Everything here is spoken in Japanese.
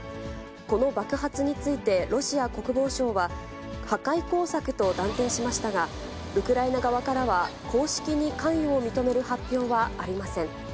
この爆発についてロシア国防省は、破壊工作と断定しましたが、ウクライナ側からは、公式に関与を認める発表はありません。